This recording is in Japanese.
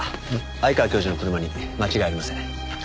鮎川教授の車に間違いありません。